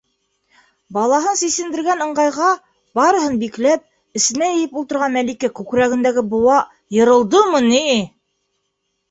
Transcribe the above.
- Балаһын сисендергән ыңғайға, барыһын бикләп, эсенә йыйып ултырған Мәликә күкрәгендәге быуа йырылдымы ни!